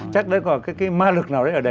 chắc đấy có cái ma lực